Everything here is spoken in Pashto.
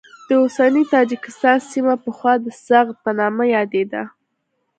د اوسني تاجکستان سیمه پخوا د سغد په نامه یادېده.